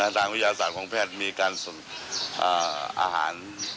ทางวิทยาศาสตร์ของแพทย์มีการส่งอาหาร